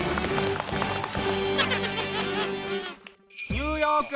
ニューヨーク！